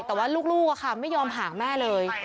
แต่ว่าลูกไม่ยอมหาแม่เลย